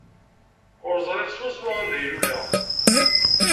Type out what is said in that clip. Ur ẓriɣ swaswa anda ay luleɣ.